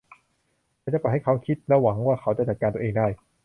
ฉันจะปล่อยให้เขาคิดและหวังว่าเขาจะจัดการตัวเองได้